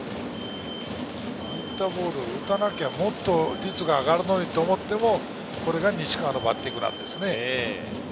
打たなきゃもっと率が上がるのにと思っても、これが西川のバッティングなんです。